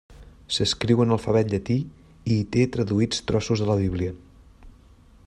S'escriu en alfabet llatí i hi té traduïts trossos de la Bíblia.